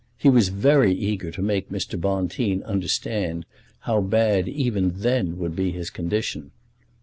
He was very eager to make Mr. Bonteen understand how bad even then would be his condition.